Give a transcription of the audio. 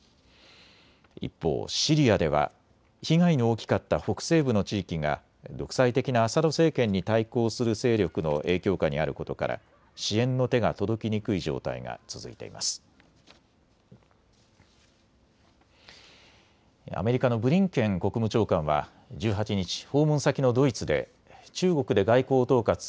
一方、シリアでは被害の大きかった北西部の地域が独裁的なアサド政権に対抗する勢力の影響下にあることから支援の手が届きにくい状態が続いています。